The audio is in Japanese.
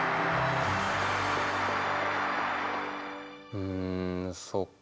うんそっかあ。